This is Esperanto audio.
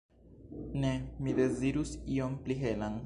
Ne, mi dezirus ion pli helan.